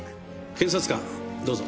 検察官どうぞ。